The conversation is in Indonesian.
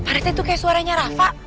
mereka itu kayak suaranya rafa